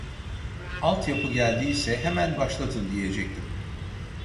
Alt yapı geldiyse hemen başlatın diyecektim